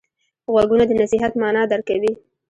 غوږونه د نصیحت معنی درک کوي